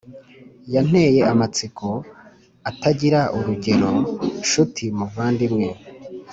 yanteye amatsiko atagira urugero nshuti muvandimwe